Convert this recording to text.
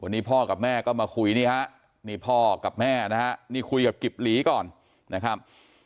วันนี้พ่อกับแม่ก็มาคุยนี่ฮะนี่พ่อกับแม่นะฮะนี่คุยกับกิบหลีก่อนนะครับ